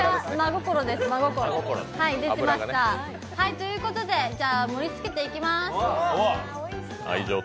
ということで、盛りつけていきます。